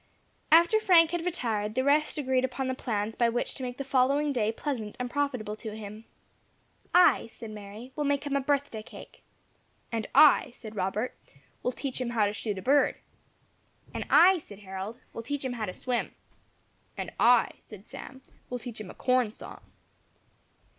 After Frank had retired, the rest agreed upon the plans by which to make the following day pleasant and profitable to him. "I," said Mary, "will make him a birth day cake." "And I," said Robert, "will teach him how to shoot a bird." "And I," said Harold, "will teach him how to swim." "And I," said Sam, "will sing him a corn song."